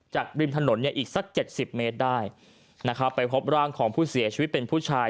ริมถนนเนี่ยอีกสักเจ็ดสิบเมตรได้นะครับไปพบร่างของผู้เสียชีวิตเป็นผู้ชาย